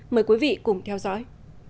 mời quý vị cùng theo dõi